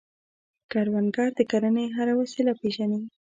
کروندګر د کرنې هره وسیله پېژني